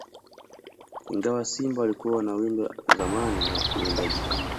Ingawa simba walikuwa wanawindwa zamani na uwindaji huo